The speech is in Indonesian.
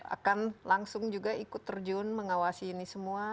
akan langsung juga ikut terjun mengawasi ini semua